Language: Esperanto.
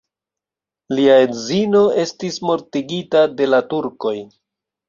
Lia edzino estis mortigita de la turkoj.